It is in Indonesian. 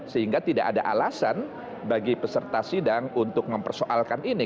sehingga tidak ada alasan bagi peserta sidang untuk mempersoalkan ini